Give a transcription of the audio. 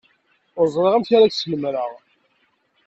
Ur ẓriɣ amek ara k-snamreɣ.